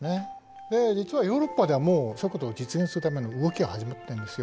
で実はヨーロッパではもうそういうことを実現するための動きが始まっているんですよ。